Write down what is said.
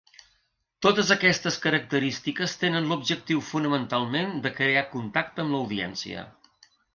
Totes aquestes característiques tenen l'objectiu fonamentalment de crear contacte amb l'audiència.